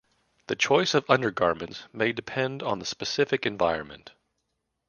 The choice of undergarments may depend on the specific environment.